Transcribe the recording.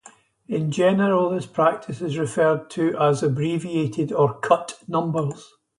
In general, this practice is referred to as abbreviated or "cut" numbers.